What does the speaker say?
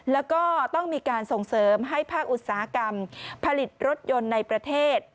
แล้วก็ต้องมีการส่งเสริมให้ภาคอุตสาหกรรมผลิตรถยนต์ในประเทศ